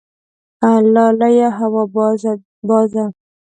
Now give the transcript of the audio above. لالیه هوا بازه